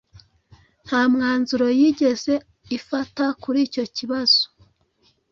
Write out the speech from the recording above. Nta mwanzuro yigeze ifata kuri Icyo kibazo